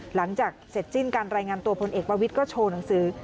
หลังจากเสร็จสิ้นการรายงานตัวพลเอกประวิทย์ก็โชว์หนังสือ